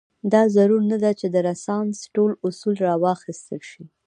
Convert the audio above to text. دا ضرور نه ده چې د رنسانس ټول اصول راواخیستل شي.